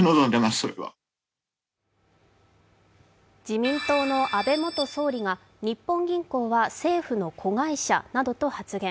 自民党の安倍元総理が日本銀行は政府の子会社などと発言。